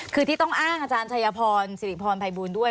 คือที่ต้องอ้างอาจารย์ชัยพรสิริพรภัยบูลด้วย